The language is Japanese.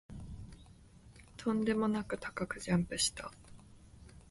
とんでもなく高くジャンプした